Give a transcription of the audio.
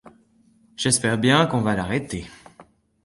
J'espère bien qu'on va l'arrêter.